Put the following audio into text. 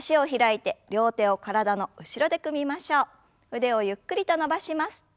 腕をゆっくりと伸ばします。